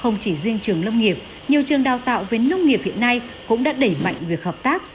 nhiều trường đào tạo với nông nghiệp hiện nay cũng đã đẩy mạnh việc hợp tác